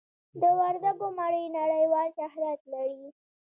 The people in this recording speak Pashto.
د وردګو مڼې نړیوال شهرت لري.